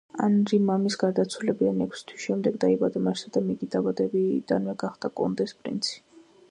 ანრი მამის გარდაცვალებიდან ექვსი თვის შემდეგ დაიბადა, მაშასადამე იგი დაბადებისთანავე გახდა კონდეს პრინცი.